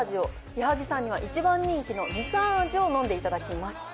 矢作さんには一番人気のみかん味を飲んでいただきます。